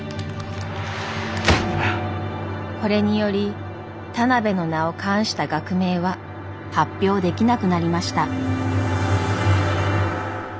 これにより田邊の名を冠した学名は発表できなくなりました。